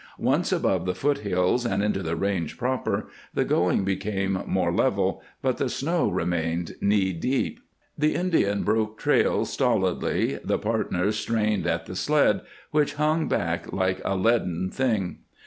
Once above the foot hills and into the range proper, the going became more level, but the snow remained knee deep. The Indian broke trail stolidly; the partners strained at the sled, which hung back like a leaden thing.